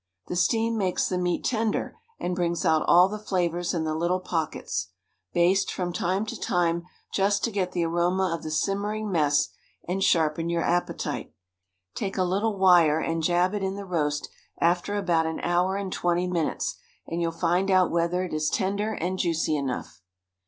The steam makes the meat tender and brings out all the flavors in the little pockets. Baste from time to time just to get the aroma of the simmering mess and sharpen your appetite. Take a little wire and jab it in the roast after about an hour and twenty minutes and you'll find out whether it is tender and juicy enough.